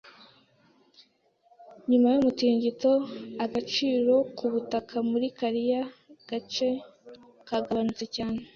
Nyuma y’umutingito, agaciro k'ubutaka muri kariya gace kagabanutse cyane.